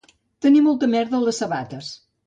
Tenir molta merda a les sabates